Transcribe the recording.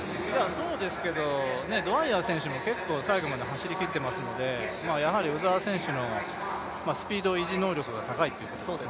そうですけど、ドウァイヤー選手も結構最後まで走りきっていますので、やはり鵜澤選手のスピード維持能力が高いということですね。